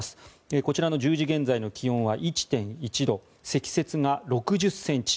こちらの１０時現在の気温は１．１度積雪が６０ｃｍ。